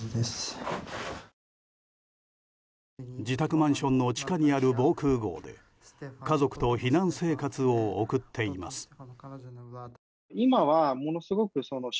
自宅マンションの地下にある防空壕で家族と避難生活を送っています。